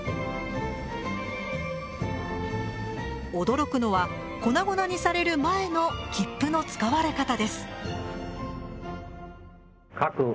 驚くのは粉々にされる前の切符の使われ方です。